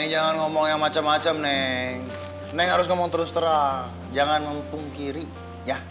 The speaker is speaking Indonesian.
neng jangan ngomong yang macem macem neng neng harus ngomong terus terang jangan mempungkiri ya